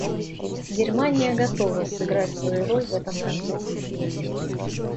Германия готова сыграть свою роль в этом процессе.